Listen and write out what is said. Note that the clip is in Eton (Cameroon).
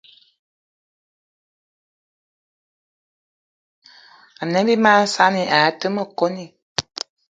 Ne bí mag saanì aa té ma kone.